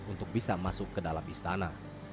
untuk bisa masuk ke dalam istana